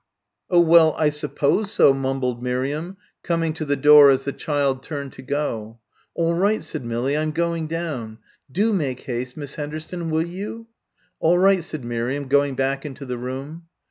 "Oh well, I suppose so," mumbled Miriam, coming to the door as the child turned to go. "All right," said Millie, "I'm going down. Do make haste, Miss Henderson, will you?" "All right," said Miriam, going back into the room.